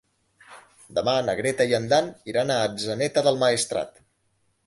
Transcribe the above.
Demà na Greta i en Dan iran a Atzeneta del Maestrat.